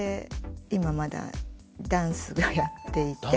今まだダンスをやっていて。